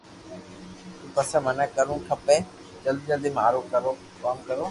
تو پسو مني ڪرووہ کپي جلدو مارو ڪوم ڪرو